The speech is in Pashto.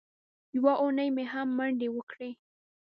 یوه اونۍ مې هم منډې وکړې.